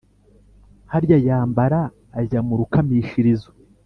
harya yambara ajya mu rukamishirizo